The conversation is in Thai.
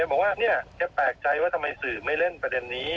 บอกว่าเนี่ยแกแปลกใจว่าทำไมสื่อไม่เล่นประเด็นนี้